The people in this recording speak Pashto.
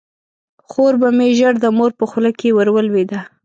خور به مې ژر د مور په خوله کې ور ولویده.